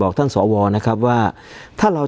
การแสดงความคิดเห็น